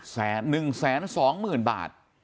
หนึ่งแสนสองหมื่นบาท